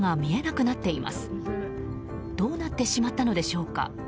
どうなってしまったのでしょうか。